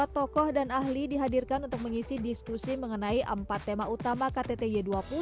dua puluh tokoh dan ahli dihadirkan untuk mengisi diskusi mengenai empat tema utama ktt y dua puluh